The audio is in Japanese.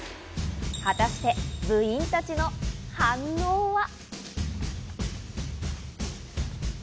果たして部員たちの反応は？